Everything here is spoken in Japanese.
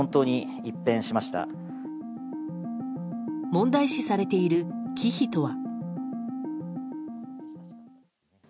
問題視されている忌避とは。